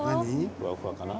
ふわふわかな？